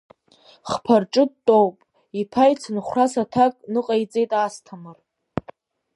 Хԥа рҿы дтәоуп, иԥа ицынхәрас аҭак ныҟаиҵеит Асҭамыр.